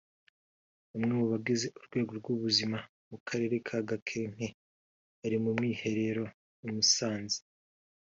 Bamwe mu bagize urwego rw’ubuzima mu karere ka Gakenke bari mu mwiherero i Musanze